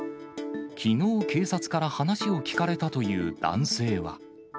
きのう、警察から話を聴かれたという男性は。